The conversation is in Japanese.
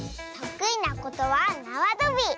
とくいなことはなわとび。